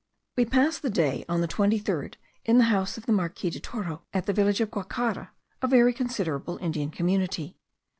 We passed the day on the 23rd in the house of the Marquis de Toro, at the village of Guacara, a very considerable Indian community.